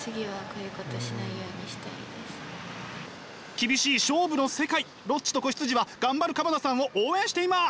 厳しい勝負の世界「ロッチと子羊」は頑張る鎌田さんを応援しています！